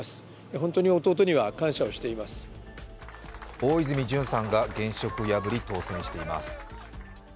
大泉潤さんが現職を破り、当選をしています。